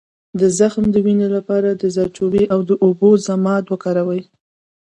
د زخم د وینې لپاره د زردچوبې او اوبو ضماد وکاروئ